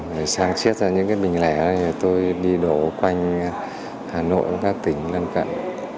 rồi sáng chiết ra những cái bình lẻ rồi tôi đi đổ quanh hà nội và các tỉnh lân cận